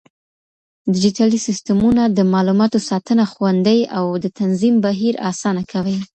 ډيجيټلي سيستمونه د معلوماتو ساتنه خوندي او د تنظيم بهير آسانه کوي.